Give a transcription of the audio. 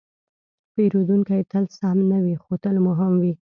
پیرودونکی تل سم نه وي، خو تل مهم وي.